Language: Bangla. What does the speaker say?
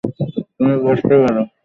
তুমি বসতে পারো!